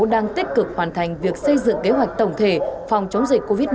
đang tích cực hoàn thành việc xây dựng kế hoạch tổng thể phòng chống dịch covid một mươi chín